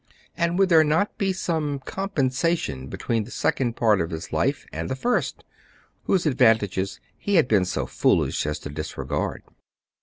and would there not be some compensation between the sec ond part of his life and the first, whose advan tages he had been so foolish as to disregard?